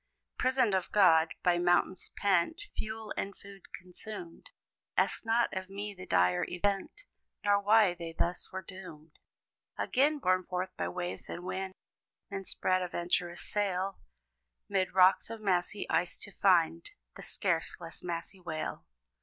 Prisoned of God; by mountains pent, Fuel and food consumed; Ask not of me the dire event, Nor why they thus were doomed. Again, borne forth by waves and wind, Men spread a venturous sail, 'Mid rocks of massy ice to find The scarce less massy whale.